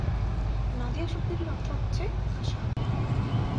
নাদিয়া শব্দটির অর্থ হচ্ছে 'আশা'।